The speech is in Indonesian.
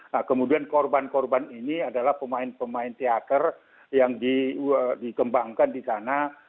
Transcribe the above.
nah kemudian korban korban ini adalah pemain pemain teater yang dikembangkan di sana